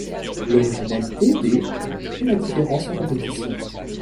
L'originalité des ' fait la différence en compétition.